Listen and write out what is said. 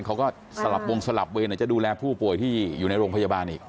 เขาก็สลับวงสลับเวรจะดูแลผู้ป่วยที่อยู่ในโรงพยาบาลอีก